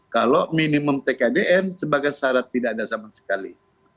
kalau minimum tkdn sebagai syarat tidak ada sama sekali